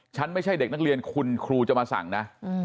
ไม่ใช่เด็กนักเรียนคุณครูจะมาสั่งนะ